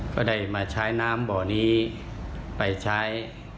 ก็ได้มาใช้น้ำบ่อนี้ไปใช้